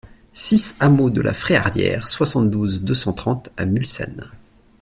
six hameau de la Fréardière, soixante-douze, deux cent trente à Mulsanne